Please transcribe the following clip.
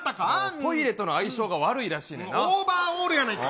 トイレとの相性が悪いらしいオーバーオールやないか。